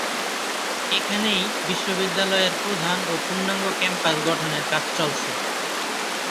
এখানেই বিশ্ববিদ্যালয়ের প্রধান ও পূর্ণাঙ্গ ক্যাম্পাস গঠনের কাজ চলছে।